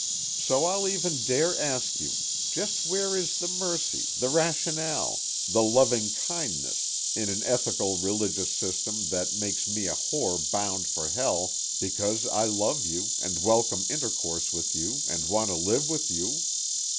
"So I'll even dare ask you: just where is the mercy, the rationale, the loving kindness, in an ethical religious system that makes me a whore bound for hell because I love you and welcome intercourse with you and want to live with you?